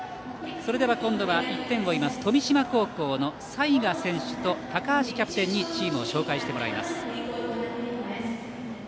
それでは今度は１点を追います富島高校の雜賀選手と高橋キャプテンにチームを紹介してもらいます。